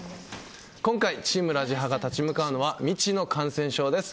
今回、チーム・ラジハが立ち向かうのは未知の感染症です。